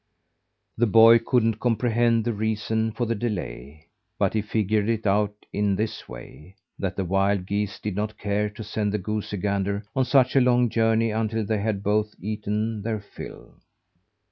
The boy couldn't comprehend the reason for the delay, but he figured it out in this way, that the wild geese did not care to send the goosey gander on such a long journey until they had both eaten their fill.